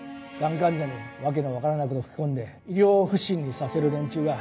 癌患者に訳の分からないこと吹き込んで医療不信にさせる連中が。